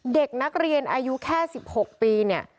เด็กนักเรียนอายุแค่๑๖ปีเนี่ย